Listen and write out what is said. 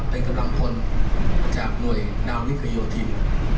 เป็นกำลังค้นจากหน่วยนาววิพยอทิม